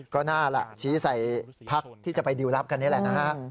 ก็น่าล่ะชี้ใส่พักที่จะไปดิวลลับกันนี่แหละนะฮะ